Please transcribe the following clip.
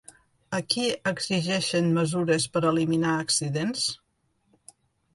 A qui exigeixen mesures per eliminar accidents?